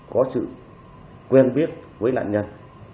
có sự quen biết với nạn nhân